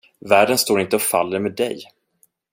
Världen står inte och faller med dig.